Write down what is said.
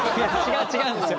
違うんですよ。